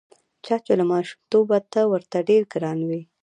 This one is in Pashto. چا چې له ماشومتوبه ته ورته ډېر ګران وې.